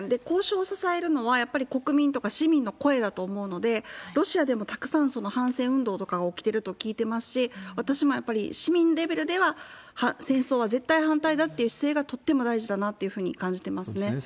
交渉を支えるのは、やっぱり国民とか市民の声だと思うので、ロシアでもたくさん反戦運動とかが起きてると聞いてますし、私もやっぱり市民レベルでは戦争は絶対反対だっていう姿勢がとっても大事だなというふうに感じてますね。